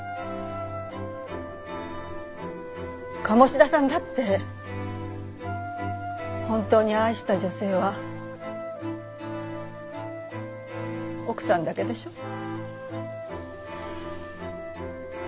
鴨志田さんだって本当に愛した女性は奥さんだけでしょう？